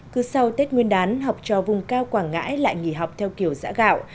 cứ sau tết nguyên đán học trò vùng cao quảng ngãi lại nghỉ học theo kiểu giã gạo